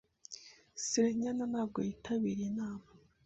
Cyrinyana ntabwo yitabiriye inama.